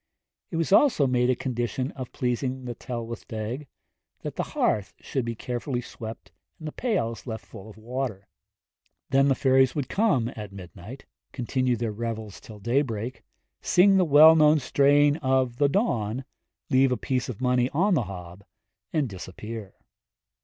It was also made a condition of pleasing the Tylwyth Teg that the hearth should be carefully swept and the pails left full of water. Then the fairies would come at midnight, continue their revels till daybreak, sing the well known strain of 'Toriad y Dydd,' or 'The Dawn,' leave a piece of money on the hob, and disappear.